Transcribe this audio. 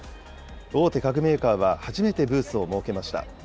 大手家具メーカーは初めてブースを設けました。